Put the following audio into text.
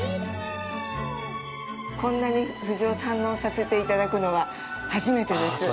こんなに藤を堪能させていただくのは初めてです。